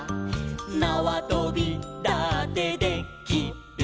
「なわとびだってで・き・る」